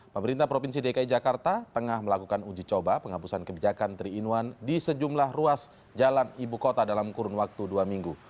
pemerintah provinsi dki jakarta tengah melakukan uji coba penghapusan kebijakan tiga in satu di sejumlah ruas jalan ibu kota dalam kurun waktu dua minggu